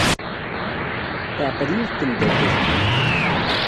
Teɛqel yiwet n tmeddakelt.